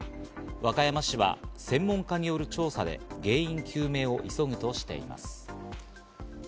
和歌山市は専門家による調査で原因究明を急ぐとしています。